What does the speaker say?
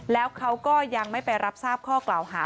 แล้วเขาก็ยังไม่ไปรับทราบข้อกล่าวหา